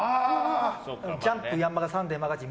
「ジャンプ」、「ヤンマガ」「サンデー」、「マガジン」